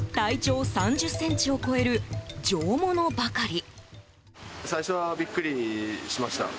体長３０ｃｍを超える上物ばかり。